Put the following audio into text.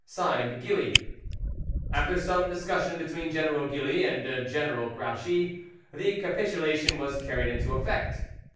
"(Signed) GILLY" After some discussion between General Gilly and General Grouchy, the capitulation was carried into effect.